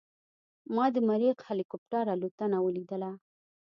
ما د مریخ هلیکوپټر الوتنه ولیدله.